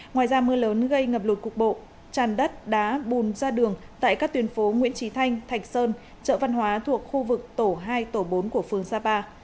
ngoài ra mưa lớn gây ngập lụt cục bộ tràn đất đá bùn ra đường tại các tuyến phố nguyễn trí thanh thạch sơn chợ văn hóa thuộc khu vực tổ hai tổ bốn của phương sapa